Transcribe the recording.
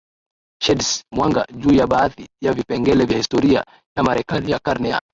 sheds mwanga juu ya baadhi ya vipengele vya historia ya Marekani ya karne ya